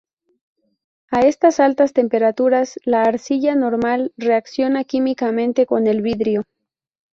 A estas altas temperaturas, la arcilla normal reacciona químicamente con el vidrio.